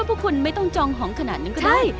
พวกคุณไม่ต้องจองหอมขนาดนั้นก็ได้